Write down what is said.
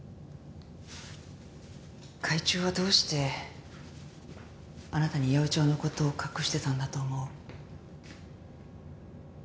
会長はどうしてあなたに八百長の事を隠してたんだと思う？